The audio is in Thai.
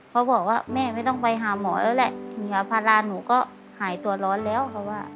เพราะบอกว่าแม่ไม่ต้องไปหาหมอแล้วแหละยาพาราหนูก็หายตัวร้อนแล้วครับว่า